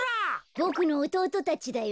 ボクのおとうとたちだよ。